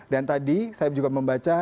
dan tadi saya juga membaca